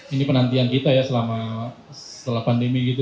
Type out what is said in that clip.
ini penantian kita ya selama setelah pandemi gitu